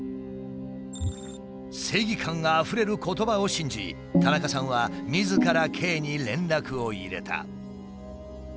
正義感あふれる言葉を信じ田中さんはみずからＫに連絡を入れた。